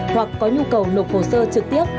hoặc có nhu cầu nộp hộ sơ trực tiếp